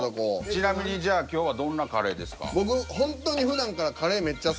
ちなみにじゃあ今日はどんなカレーですか？